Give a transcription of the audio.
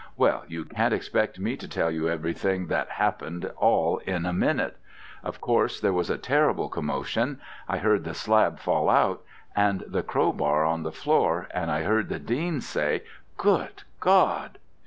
Well, you can't expect me to tell you everything that happened all in a minute. Of course there was a terrible commotion. I heard the slab fall out, and the crowbar on the floor, and I heard the Dean say 'Good God!'